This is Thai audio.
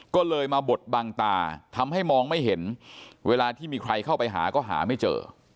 ก็เลยมาบดบังตาทำให้มองไม่เห็นเวลาที่มีใครเข้าไปหาก็หาไม่เจอ